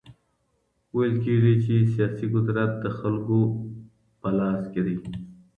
ويل کېږي چي ټول سياسي قدرت د خلګو په لاس کي دی.